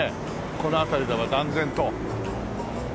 この辺りでは断然と。